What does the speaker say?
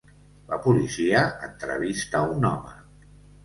La policia entrevista un home.